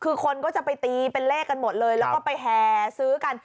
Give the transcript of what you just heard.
คือคนก็จะไปตีเป็นเลขกันหมดเลยแล้วก็ไปแห่ซื้อกัน